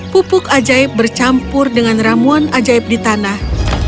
pupuk ajaib bercampur dengan ramuan ajaib di tanah